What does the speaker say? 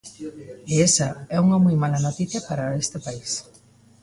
E esa é unha moi mala noticia para este país.